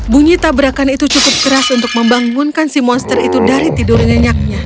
bunyi tabrakan itu cukup keras untuk membangunkan si monster itu dari tidur nyenyaknya